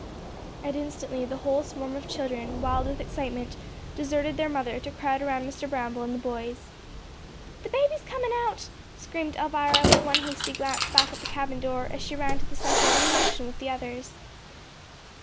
And instantly the whole swarm of children, wild with excitement, deserted their mother to crowd around Mr. Bramble and the boys. "The baby's comin' out," screamed Elvira, with one hasty glance back at the cabin door, as she ran to the centre of attraction with the others.